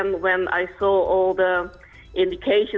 ketika saya melihat semua indikasi